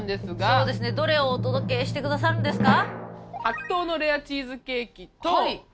そうですねどれをお届けしてくださるんですか？